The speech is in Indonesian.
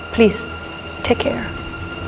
tolong jaga diri